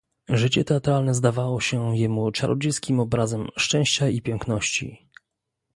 "Życie teatralne zdawało się jemu czarodziejskim obrazem szczęścia i piękności."